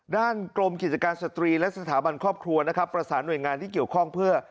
กรมกิจการสตรีและสถาบันครอบครัวนะครับประสานหน่วยงานที่เกี่ยวข้องเพื่อ